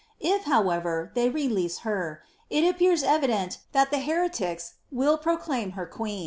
If, however, they re Jease her, h appears evident that the heretics will proclaim her queen."